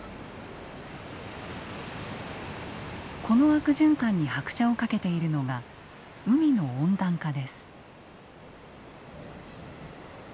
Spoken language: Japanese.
この悪循環に拍車をかけているのが海の温暖化です。